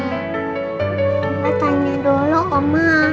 mama tanya dulu oma